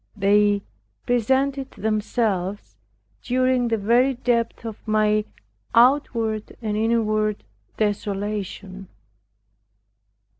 They presented themselves during the very depth of my outward and inward desolation.